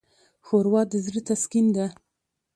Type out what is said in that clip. ښوروا د زړه تسکین ده.